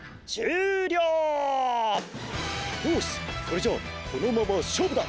よしそれじゃあこのまましょうぶだ！